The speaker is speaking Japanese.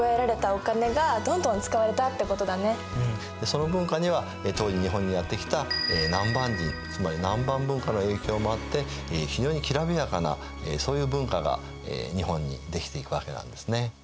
その文化には当時日本にやって来た南蛮人つまり南蛮文化の影響もあって非常にきらびやかなそういう文化が日本にできていくわけなんですね。